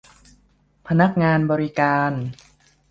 พนักงานบริการ